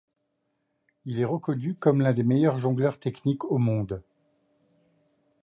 Il est reconnu comme l’un des meilleurs jongleurs techniques au monde.